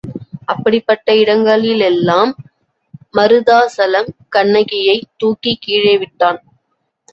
அப்படிப்பட்ட இடங்களிலெல்லாம் மருதாசலம் கண்ணகியைத் தூக்கிக் கீழே விட்டான்.